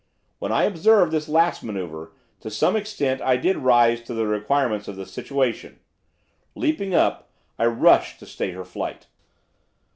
When I observed this last manoeuvre, to some extent I did rise to the requirements of the situation. Leaping up, I rushed to stay her flight.